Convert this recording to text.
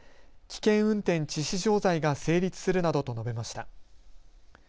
危険運転致死傷罪が成立するなどと述べました。